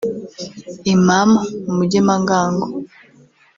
Imam Mugemangango